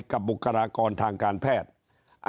บุคลากรทางการแพทย์